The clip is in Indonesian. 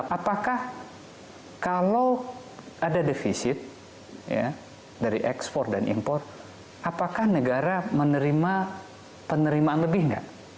apakah kalau ada defisit dari ekspor dan impor apakah negara menerima penerimaan lebih nggak